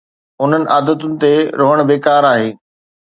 انهن عادتن تي روئڻ بيڪار آهي.